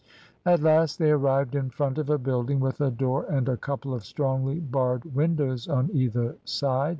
At last they arrived in front of a building, with a door and a couple of strongly barred windows on either side.